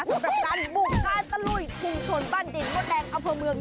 สำหรับการบุกการตะลุยชุมชนบ้านดินมดแดงอำเภอเมือง